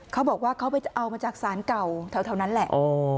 เขาบอกว่าเขาไปเอามาจากสารเก่าแถวนั้นแหละ